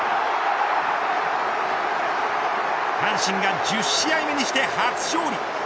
阪神が１０試合目にして初勝利。